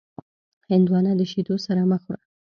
هندوانه د شیدو سره مه خوره.